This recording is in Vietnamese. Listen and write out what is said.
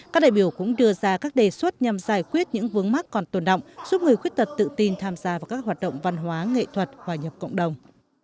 các đại biểu cũng đưa ra các đề xuất nhằm giải quyết những vướng mắt còn tồn động giúp người khuyết tật tự tin tham gia vào các hoạt động văn hóa nghệ thuật hòa nhập cộng đồng